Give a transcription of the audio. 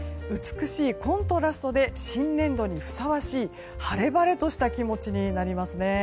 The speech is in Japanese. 美しいコントラストで新年度にふさわしい晴れ晴れとした気持ちになりますね。